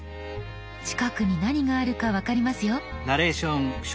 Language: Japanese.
近くに何があるか分かりますよ。